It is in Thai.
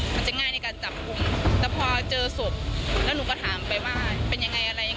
จะง่ายในการจับกลุ่มแต่พอเจอศพแล้วหนูก็ถามไปว่าเป็นยังไงอะไรยังไง